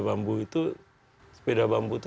bambu itu sepeda bambu itu